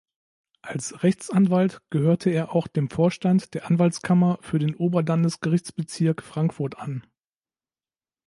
Als Rechtsanwalt gehörte er auch dem Vorstand der Anwaltskammer für den Oberlandesgerichtsbezirk Frankfurt an.